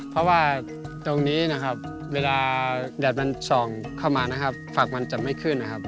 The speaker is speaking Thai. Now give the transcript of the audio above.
เพราะว่าตรงนี้นะครับเวลาแดดมันส่องเข้ามานะครับฝักมันจะไม่ขึ้นนะครับ